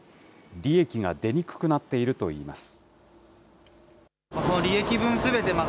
利益が出にくくなっているといいます。